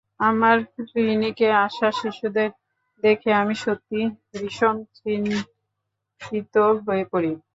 আমার ক্লিনিকে আসা শিশুদের দেখে আমি সত্যিই ভীষণ চিন্তিত হয়ে পড়ি।